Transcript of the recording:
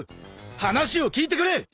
話を聞いてくれ！